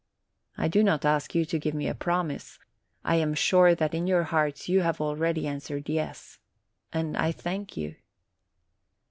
I do not ask you to give me a promise; I am sure that in your hearts you have already answered 'y es / and I thank you."